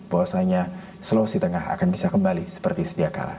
bahwasanya sulawesi tengah akan bisa kembali seperti sedia kala